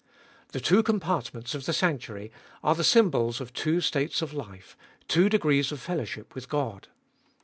The two compartments of the sanctuary are the sym bols of two states of life, two degrees of fellowship with God.